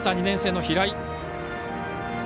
２年生の平井。